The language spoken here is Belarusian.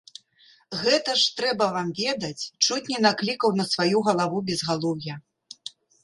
Гэта ж, трэба вам ведаць, чуць не наклікаў на сваю галаву безгалоўя.